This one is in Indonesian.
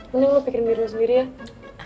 mending lo pikirin diri sendiri ya